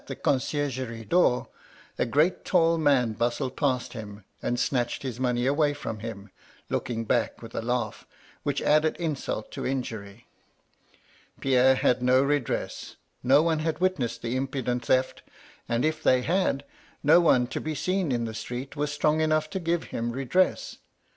the coDciergerie door, a great tall man bustled past him, and snatched his money away from him, looking back with a laugh, which added insult to injury. Pierre had no redress; no one had witnessed the impudent theft, and if they had, no one to be seen in the street was strong enough to give him redress.